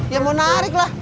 ya mau nariklah